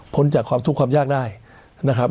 พ้นจากความสุขความยากได้นะครับ